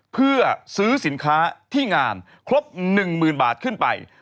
เพื่อซื้อสินค้าที่งานครบหนึ่งหมื่นบาทขึ้นไป